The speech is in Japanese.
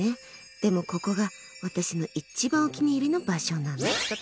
でも、ここが私の一番お気に入りの場所なの。